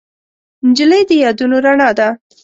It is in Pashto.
نجلۍ د یادونو رڼا ده.